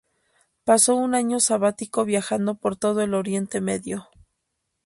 Pasó un año sabático viajando por todo el Oriente Medio.